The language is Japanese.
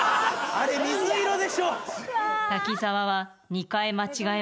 あれ水色でしょえっ